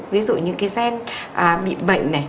ví dụ như cái gen bị bệnh này